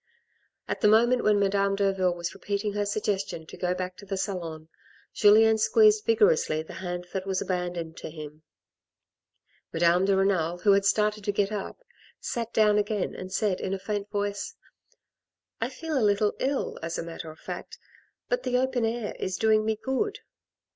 At the moment when Madame Derville was repeating her suggestion to go back to the salon, Julien squeezed vigor ously the hand that was abandoned to him. Madame de Renal, who had started to get up, sat down again and said in a faint voice, " I feel a little ill, as a matter of fact, but the open air is doing me good."